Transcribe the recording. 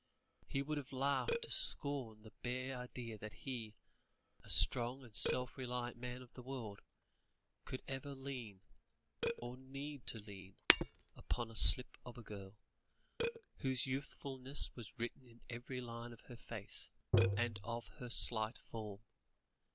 He would have laughed to scorn the bare idea that he, a strong and self reliant man of the world, could ever lean, or need to lean, upon a slip of a girl, whose youthfulness was written in every line of her face, and of her slight form.